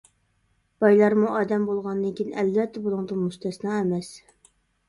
بايلارمۇ ئادەم بولغاندىن كېيىن ئەلۋەتتە بۇنىڭدىن مۇستەسنا ئەمەس.